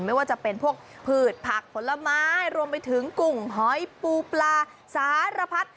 ไม่ว่าจะเป็นพวกพืชผักผลไม้รวมไปถึงกุ่งหอยปูปลาสารพัด